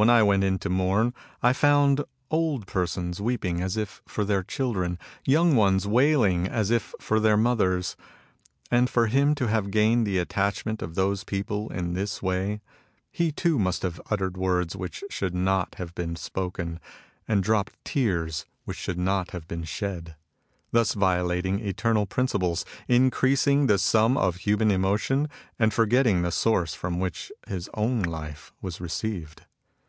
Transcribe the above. When I went in to mourn, I found old persons weeping as if for their children, young ones wailing as if for their mothers. And for him to have gained the attachment of those people in this way, he too must have uttered words which should not have been spoken, and dropped tears which should not have been shed, thus violating eternal principles, increasing the sum of human emotion, and forgetting the source from which his own life was received.